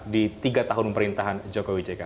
di tiga tahun pemerintahan joko widjeka